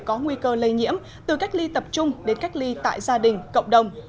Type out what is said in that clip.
có nguy cơ lây nhiễm từ cách ly tập trung đến cách ly tại gia đình cộng đồng